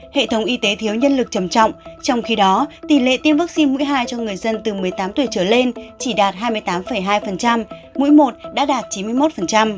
hệ thống y tế thiếu nhân lực trầm trọng trong khi đó tỷ lệ tiêm vaccine mũi hai cho người dân từ một mươi tám tuổi trở lên chỉ đạt hai mươi tám hai mũi một đã đạt chín mươi một